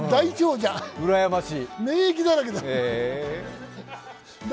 免疫だらけだ。